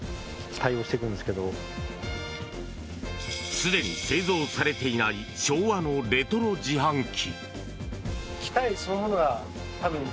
すでに製造されていない昭和のレトロ自販機。